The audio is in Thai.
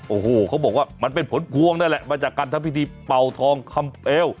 โอ้โหเขาบอกว่ามันเป็นผลพวงนั่นแหละมาจากการทำพิธีเป่าทองคำเปลว